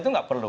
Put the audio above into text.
itu nggak perlu